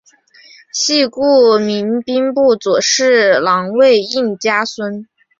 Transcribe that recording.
系故明兵部左侍郎魏应嘉孙。